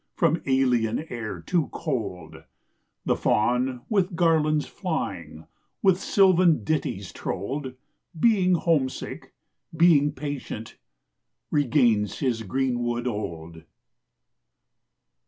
From alien air too cold, The Faun, with garlands flying, with sylvan ditties trolled, Being homesick, being patient, regains his greenwood old.